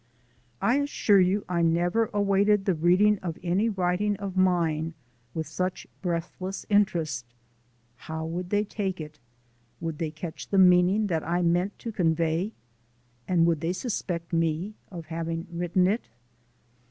'I assure you I never awaited the reading of any writing of mine with such breathless interest. How would they take it? Would they catch the meaning that I meant to convey? And would they suspect me of having written it?